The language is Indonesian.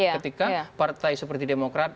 ketika partai seperti demokrat